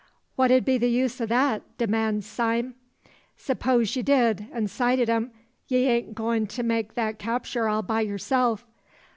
"What ud be the use o' that?" demands Sime. "S'posin' ye did, an' sighted 'em, ye ain't goin' to make thar capture all o' yourself.